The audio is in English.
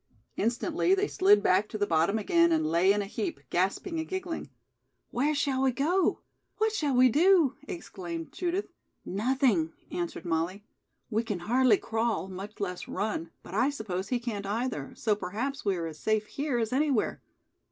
Instantly they slid back to the bottom again and lay in a heap, gasping and giggling. "Where shall we go? What shall we do?" exclaimed Judith. "Nothing," answered Molly. "We can hardly crawl, much less run, but I suppose he can't either, so perhaps we are as safe here as anywhere."